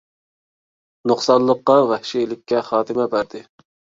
نۇقسانلىققا، ۋەھشىيلىككە خاتىمە بەردى.